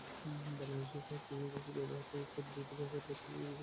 বাংলাদেশসহ বিভিন্ন দেশের ব্যবহারকারীরা সাইট দুটি ব্যবহার করতে গিয়ে বিষয়টি জানতে পারেন।